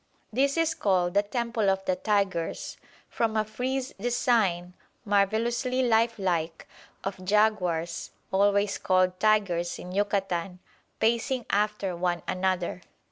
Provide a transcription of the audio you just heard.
This is called "The Temple of the Tigers," from a frieze design, marvellously lifelike, of jaguars (always called tigers in Yucatan) pacing after one another.